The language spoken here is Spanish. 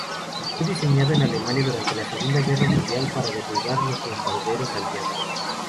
Fue diseñado en Alemania durante la Segunda Guerra Mundial para derribar los bombarderos Aliados.